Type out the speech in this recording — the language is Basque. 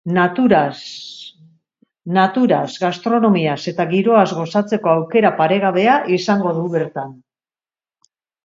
Naturaz, gastronomiaz eta giroaz gozatzeko aukera paregabea izango du bertan.